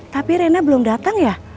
tapi rena belum datang ya